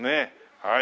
はい。